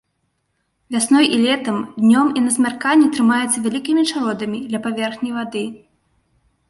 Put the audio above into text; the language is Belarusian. Вясной і летам, днём і на змярканні трымаецца вялікімі чародамі ля паверхні вады.